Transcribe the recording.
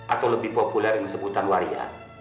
atau lebih populer disebut waria